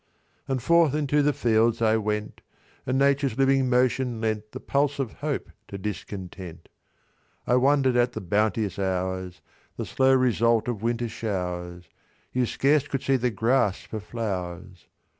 And forth into the fields I went, And Nature's living motion lent The pulse of hope to discontent. I wonder'd at the bounteous hours, The slow result of winter showers: You scarce could see the grass for flowers.